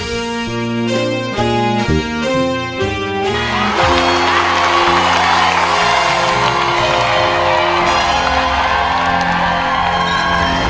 แม้น้องไม่เชื่อพี่ดี